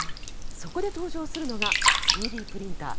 そこで登場するのが３Ｄプリンター。